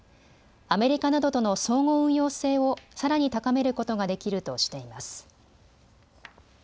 アメリカなどとの相互運用性をさらに高めることができるとしています。